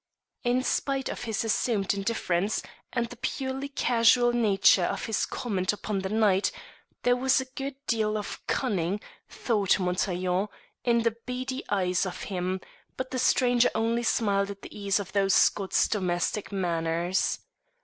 In spite of his assumed indifference and the purely casual nature of his comment upon the night, there was a good deal of cunning, thought Montaiglon, in the beady eyes of him, but the stranger only smiled at the ease of those Scots domestic manners.